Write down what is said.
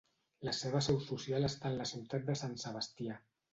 La seva seu social està en la ciutat de Sant Sebastià.